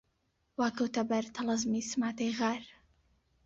وا کەوتە بەر تەڵەزمی سماتەی غار